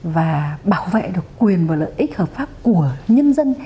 và bảo vệ được quyền và lợi ích hợp pháp của nhân dân